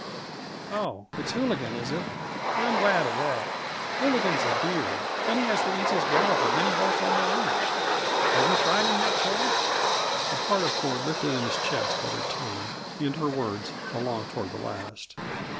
Oh it's Hooligan, is it? I'm glad of that; Hooligan's a dear and he has the easiest gallop of any horse on the ranch. Have you tried him yet, Ford?" The heart of Ford lifted in his chest at her tone and her words, along toward the last.